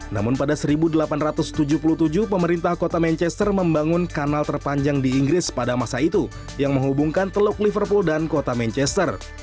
namun pada seribu delapan ratus tujuh puluh tujuh pemerintah kota manchester membangun kanal terpanjang di inggris pada masa itu yang menghubungkan teluk liverpool dan kota manchester